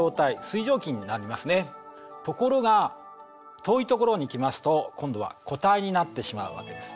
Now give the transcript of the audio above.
ところが遠いところに行きますと今度は固体になってしまうわけです。